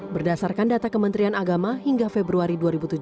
berdasarkan data kementerian agama hingga februari dua ribu tujuh belas